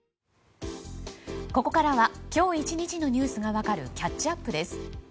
ここからは今日１日のニュースが分かるキャッチアップです。